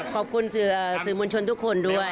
ขอบคุณสื่อมวลชนทุกคนด้วย